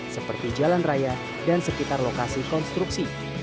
seperti jalan raya dan sekitar lokasi konstruksi